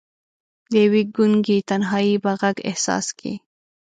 د یوې ګونګې تنهايۍ بې ږغ احساس کې